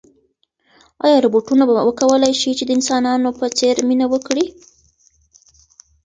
ایا روبوټونه به وکولای شي چې د انسانانو په څېر مینه وکړي؟